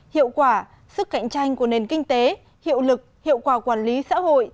hiệu quả sức cạnh tranh của nền kinh tế hiệu lực hiệu quả quản lý xã hội